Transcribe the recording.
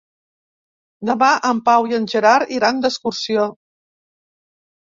Demà en Pau i en Gerard iran d'excursió.